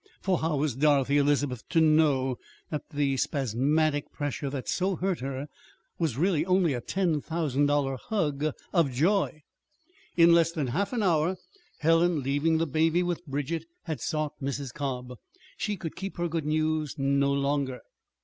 For how was Dorothy Elizabeth to know that the spasmodic pressure that so hurt her was really only a ten thousand dollar hug of joy? In less than half an hour, Helen, leaving the baby with Bridget, had sought Mrs. Cobb. She could keep her good news no longer.